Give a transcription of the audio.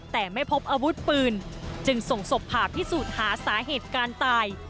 แต่ไม่พบอาวุธปืนจึงส่งศพผ่าพิสูจน์หาสาเหตุการตาย